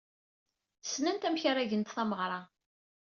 Ssnent amek ara gent tameɣra.